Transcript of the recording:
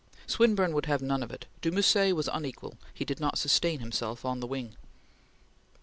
Swinburne would have none of it; de Musset was unequal; he did not sustain himself on the wing.